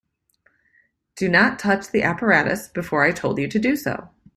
Do not touch the apparatus before I told you to do so.